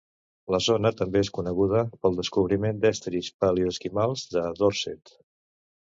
La zona també és coneguda pel descobriment d'estris paloesquimals de Dorset.